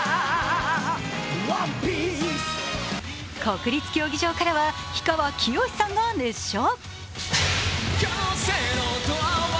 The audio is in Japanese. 国立競技場からは氷川きよしさんが熱唱。